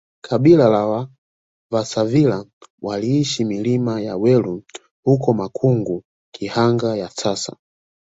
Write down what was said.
kabila la vasavila waliishi milima ya welu huko Makungu Kihanga ya sasa